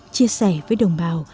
chia sẻ với đồng bào